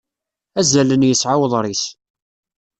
Azalen yesɛa uḍris.